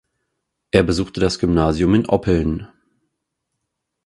Er besuchte das Gymnasium in Oppeln.